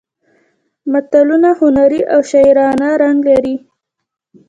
متلونه هنري او شاعرانه رنګ لري